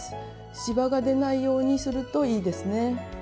しわがでないようにするといいですね！